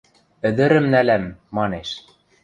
Ӹдӹрӹм нӓлӓм, манеш...